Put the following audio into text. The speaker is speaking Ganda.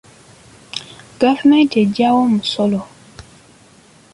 Gavumenti ejjawa omusolo?